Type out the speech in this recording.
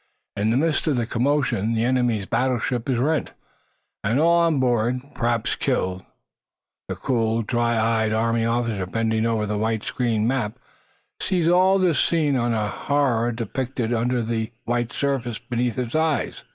In the midst of the commotion the enemy's battleship is rent, and all on board, perhaps killed. The cool, dry eyed Army officer bending over the white screen map sees all this scene of horror depicted under the white surface beneath his eyes.